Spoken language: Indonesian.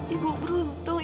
ibu bahagia banget